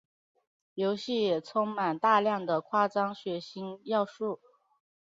游戏也充满大量的夸张血腥要素。